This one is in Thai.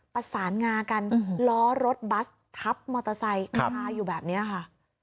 ประสานงากันล้อรถบัสทับมอเตอร์ไซค์คาอยู่แบบนี้ค่ะ